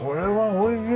おいしい。